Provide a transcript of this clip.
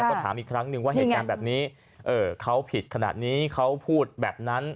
ก็ถามอีกครั้งนึงว่าเหตุการณ์แบบนี้เขาผิดขนาดนี้เขาพูดแบบนั้น